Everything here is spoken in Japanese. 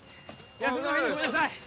休みの日にごめんなさい